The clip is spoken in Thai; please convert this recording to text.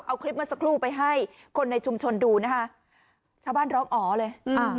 เอาคลิปเมื่อสักครู่ไปให้คนในชุมชนดูนะคะชาวบ้านร้องอ๋อเลยอ่า